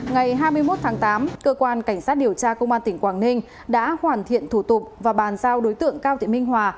ngày hai mươi một tháng tám cơ quan cảnh sát điều tra công an tỉnh quảng ninh đã hoàn thiện thủ tục và bàn giao đối tượng cao thị minh hòa